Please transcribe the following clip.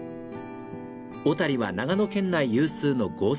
小谷は長野県内有数の豪雪地。